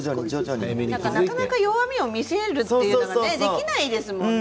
なかなか弱みを見せることができないですからね。